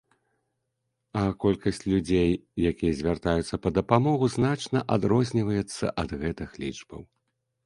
А колькасць людзей, якія звяртаюцца па дапамогу, значна адрозніваецца ад гэтых лічбаў.